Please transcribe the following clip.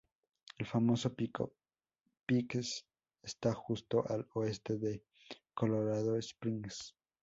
El famoso pico Pikes está justo al oeste de Colorado Springs.